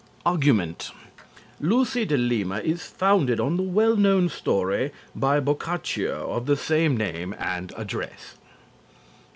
_ ARGUMENT "Lucy de Lima," is founded on the well known story by Boccaccio of the same name and address.